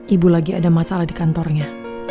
ibu lagi ada masalah di kantornya